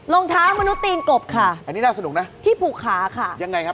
รองเท้ามนุษย์ตีนกบค่ะที่ผูกขาค่ะยังไงครับ